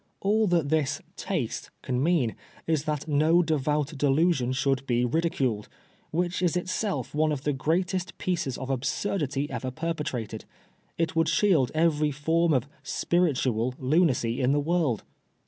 All that this * taste ^ can mean is that no devout delusion should be ridiculed, which is itseU one of the greatest pieces of absurdity ever perpetrated. It would shield every form of ' spiritual ' lunacy in the world.